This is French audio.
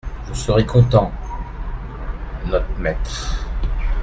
Vous serez content, not' maître ….